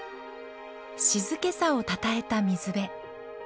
静けさをたたえた水辺。